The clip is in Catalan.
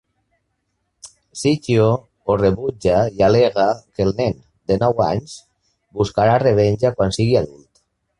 Ciccio ho rebutja i al·lega que el nen de nou anys buscarà revenja quan sigui adult.